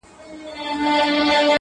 لنډۍ په غزل کي- پنځمه برخه-